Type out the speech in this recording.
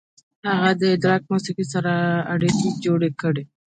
هغه د راک موسیقۍ سره اړیکې جوړې کړې.